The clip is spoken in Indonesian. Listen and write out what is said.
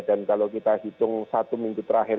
dan kalau kita hitung satu minggu terakhir